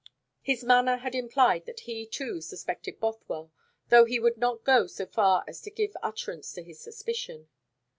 His manner had implied that he, too, suspected Bothwell, though he would not go so far as to give utterance to his suspicion.